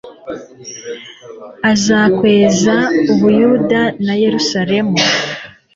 aza kweza u buyuda na yerusalemu